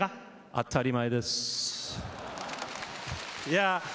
当たり前です。